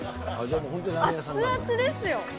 熱々ですよ。